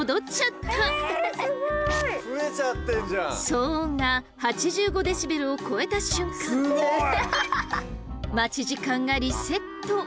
騒音が８５デシベルを超えた瞬間待ち時間がリセット。